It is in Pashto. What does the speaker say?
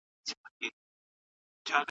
رېدي په خپله کلا کې اسونه روزل.